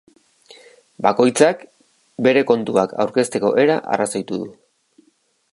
Bakoitzak bere kontuak aurkezteko era arrazoitu du.